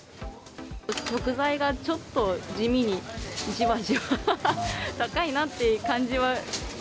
食材がちょっと地味に、じわじわ高いなって感じは。